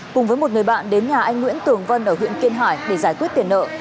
cùng với một người bạn đến nhà anh nguyễn tường vân ở huyện kiên hải để giải quyết tiền nợ